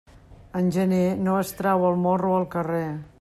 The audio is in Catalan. En gener, no es trau el morro al carrer.